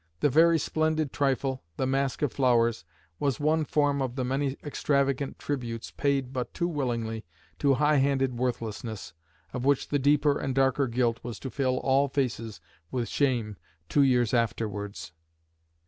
The "very splendid trifle, the Masque of Flowers," was one form of the many extravagant tributes paid but too willingly to high handed worthlessness, of which the deeper and darker guilt was to fill all faces with shame two years afterwards.